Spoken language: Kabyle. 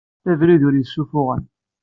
D abrid ur yessuffuɣen.